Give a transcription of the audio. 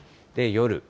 夜。